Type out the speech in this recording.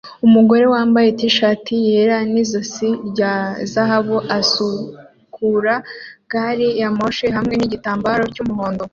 Umugore wambaye t-shati yera nizosi rya zahabu asukura gari ya moshi hamwe nigitambaro cyumuhondo